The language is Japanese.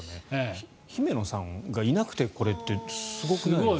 姫野さんがいなくてこれってすごいですね。